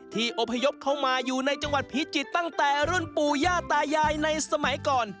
อพยพเข้ามาอยู่ในจังหวัดพิจิตรตั้งแต่รุ่นปู่ย่าตายายในสมัยก่อน